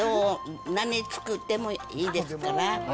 何を作ってもいいですから。